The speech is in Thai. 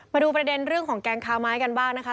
มาดูประเด็นเรื่องของแก๊งค้าไม้กันบ้างนะคะ